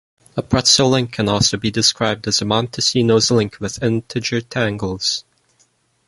A pretzel link can also be described as a Montesinos link with integer tangles.